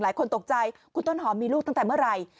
หลายคนตกใจคุณต้นหอมมีลูกตั้งแต่เมื่อไหร่